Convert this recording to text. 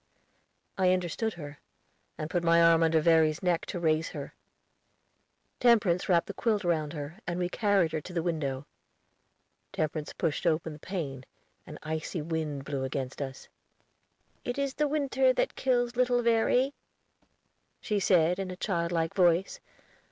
I understood her, and put my arm under Verry's neck to raise her. Temperance wrapped the quilt round her, and we carried her to the window. Temperance pushed open the pane; an icy wind blew against us. "It is the winter that kills little Verry," she said, in a childlike voice.